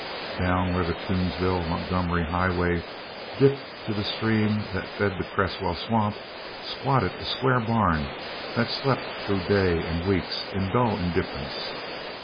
Down where the Toomsville Montgomery highway dipped to the stream that fed the Cresswell swamp squatted a square barn that slept through day and weeks in dull indifference.